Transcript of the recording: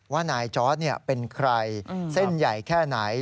ว่านายจอร์ดเป็นใครเส้นใหญ่แค่ไหน